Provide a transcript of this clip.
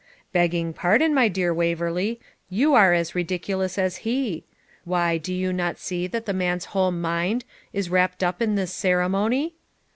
'Begging pardon, my dear Waverley, you are as ridiculous as he. Why, do you not see that the man's whole mind is wrapped up in this ceremony?